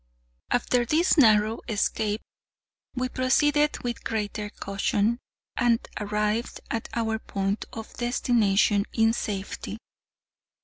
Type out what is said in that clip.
After this narrow escape we proceeded with greater caution, and arrived at our point of destination in safety.